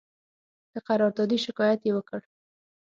د قراردادي شکایت یې وکړ.